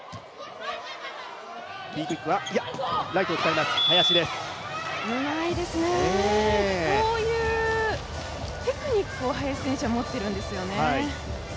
うまいですね、こういうテクニックを林選手は持っているんですよね。